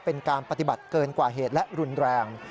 เป็นการปฏิบัติเกินกว่าเหตุและรุนแรง